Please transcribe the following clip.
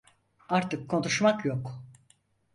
Artık konuşmak yok.